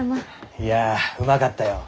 いやうまかったよ。